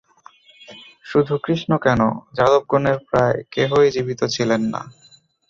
শুধু কৃষ্ণ কেন, যাদবগণের প্রায় কেহই জীবিত ছিলেন না।